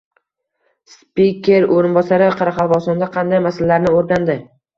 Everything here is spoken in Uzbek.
Spiker o‘rinbosari Qoraqalpog‘istonda qanday masalalarni o‘rgandi?